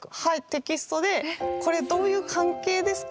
テキストでこれどういう関係ですか？